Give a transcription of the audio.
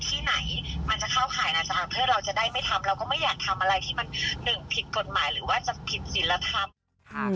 ๒ผิดศิลธรรม